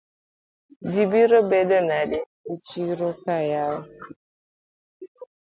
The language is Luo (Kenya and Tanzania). Ji biro bedo nade echiroka yawa?